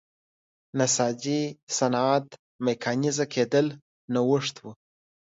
نساجۍ صنعت میکانیزه کېدل نوښت و.